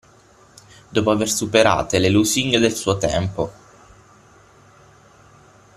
Dopo aver superate le lusinghe del suo tempo.